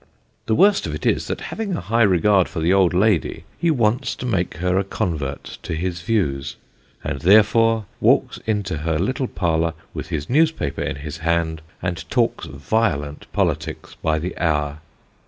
The worst of it is, that having a high regard for the old lady, he wants to make her a convert to his views, and therefore walks into her little parlour with his newspaper in his hand, and talks violent politics by the hour.